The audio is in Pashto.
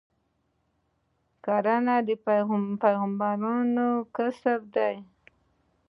کرنه د پیغمبرانو کسب دی.